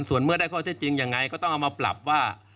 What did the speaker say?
ส่วนเมื่อได้ข้อเท็จจริงยังไงก็ต้องเอามาปรับว่า